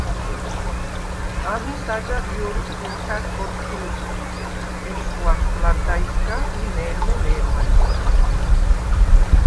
ამის აჯაღ ჲორი სიმქა̈რ ხორი ჩუ ლჷჭბიდე, ეშხუ აშხვ ლარდაისგა ი მე̄რმე - მე̄რმაისგა.